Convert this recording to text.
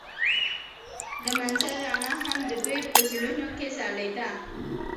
د منظر رڼا هم د دوی په زړونو کې ځلېده.